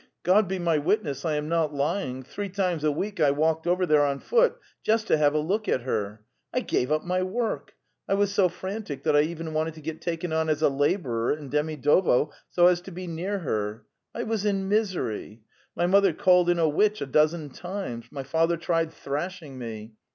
God be my witness, I am not lying, three times a week I walked over there on foot just to have a look at her. I gave up my work! I was so frantic that I even wanted to get taken on as a la bourer in Demidovo, so as to be near her. I was in misery! My mother called in a witch a dozen times; my father tried thrashing me.